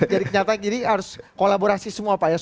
jadi harus kolaborasi semua pak